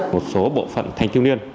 một số bộ phận thanh thiếu niên